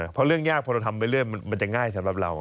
เพราะเรื่องยากพอเราทำไปเรื่อยมันจะง่ายสำหรับเรา